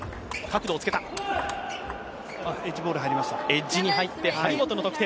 エッジボール入って、張本の得点。